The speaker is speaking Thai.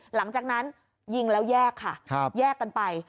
หลังจากนั้นยิงแล้วแยกค่ะแยกกันไป